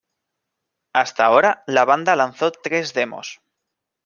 Hasta ahora, la banda lanzó tres demos.